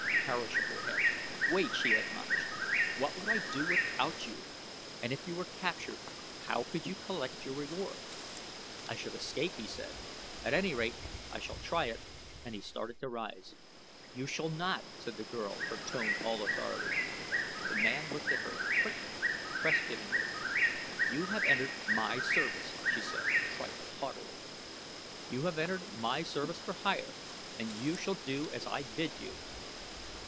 Tara shook her head. "Wait," she admonished. "What would I do without you, and if you were captured how could you collect your reward?" "I should escape," he said. "At any rate I shall try it," and he started to rise. "You shall not," said the girl, her tone all authority. The man looked at her quickly questioningly. "You have entered my service," she said, a trifle haughtily. "You have entered my service for hire and you shall do as I bid you."